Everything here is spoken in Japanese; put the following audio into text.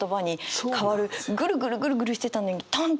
グルグルグルグルしてたのにタンッと